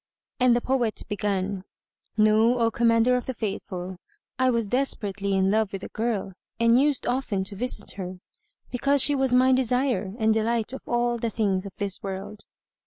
and the poet begun:—Know, O Commander of the Faithful, I was desperately in love with a girl and used often to visit her, because she was my desire and delight of all the things of this world.